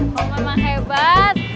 kau memang hebat